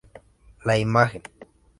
La imagen.